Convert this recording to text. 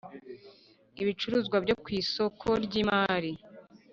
ibicuruzwa byo ku isoko ry imari